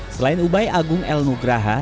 selain ubai agung el nugraha